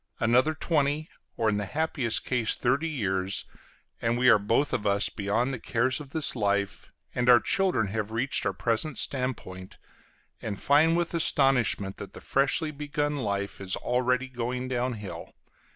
Another twenty, or in happiest case thirty years, and we are both of us beyond the cares of this life, and our children have reached our present standpoint, and find with astonishment that the freshly begun life is already going down hill.